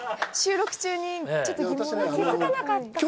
収録中にちょっと疑問に。